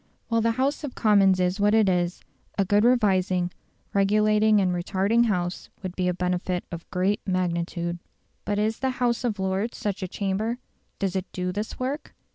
While the House of Commons is what it is, a good revising, regulating and retarding House would be a benefit of great magnitude. But is the House of Lords such a chamber? Does it do this work?